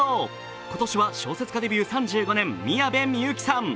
今年は小説家デビュー３５年、宮部みゆきさん